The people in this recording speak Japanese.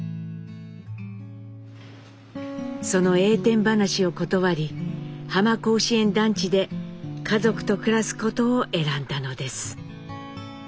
その栄転話を断り浜甲子園団地で家族と暮らすことを選んだのです。